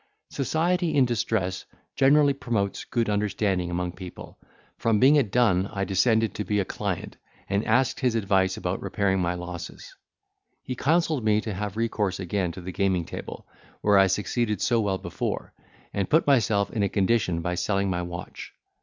Society in distress generally promotes good understanding among people; from being a dun I descended to be a client, and asked his advice about repairing my losses. He counselled me to have recourse again to the gaming table, where I succeeded so well before, and put myself in a condition by selling my watch.